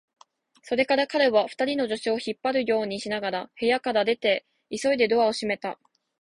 それから彼は、二人の助手を引っ張るようにしながら部屋から出て、急いでドアを閉めた。